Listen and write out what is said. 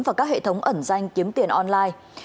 vào các hệ thống ẩn danh kiếm tiền online